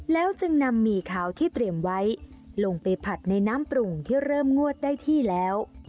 แล้วจึงนำหมี่ขาวที่เตรียมไว้ลงไปผัดในน้ำปรุงที่เริ่มงวดได้ที่แล้ว